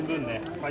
はい。